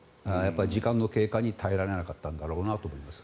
時間の経過に耐えられなかったんだろうなと思います。